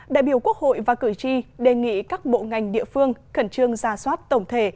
đại biểu quốc hội và cử tri đề nghị các bộ ngành địa phương khẩn trương ra soát tổng thể